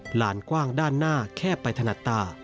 หลานกว้างด้านหน้าแคบไปถนัดตา